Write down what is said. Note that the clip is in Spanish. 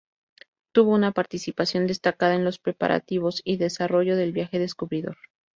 Tuvo una participación destacada en los preparativos y desarrollo del viaje descubridor.